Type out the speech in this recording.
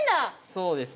そうですね。